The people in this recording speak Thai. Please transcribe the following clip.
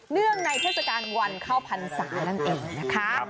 เนื่องในเทศกาลวันเข้าพรรษานั่นเองนะคะ